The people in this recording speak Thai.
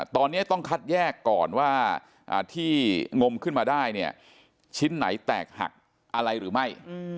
ตอนนี้ต้องคัดแยกก่อนว่าที่งมขึ้นมาได้เนี่ยชิ้นไหนแตกหักอะไรหรือไม่